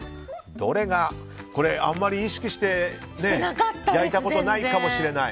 これ、あまり意識して焼いたことないかもしれない。